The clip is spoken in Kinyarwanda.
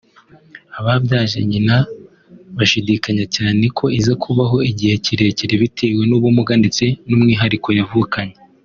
Ababyaje nyina bashidikanya cyane ko iza kubaho igihe kirekire bitewe n’ubumuga ndetse n’umwihariko yavukanye